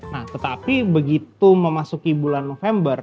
nah tetapi begitu memasuki bulan november